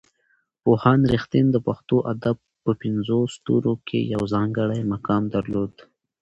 پوهاند رښتین د پښتو ادب په پنځو ستورو کې یو ځانګړی مقام درلود.